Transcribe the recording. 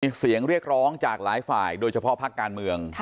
มีเสียงเรียกร้องจากหลายฝ่ายโดยเฉพาะภาคการเมือง